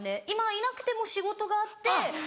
今いなくても仕事があって。